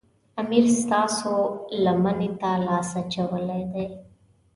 امیر ستاسو لمنې ته لاس اچولی دی.